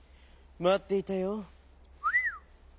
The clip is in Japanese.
まっていたよ」。